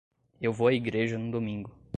Eu vou à igreja no domingo.